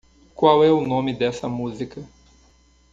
Qual é o nome dessa música?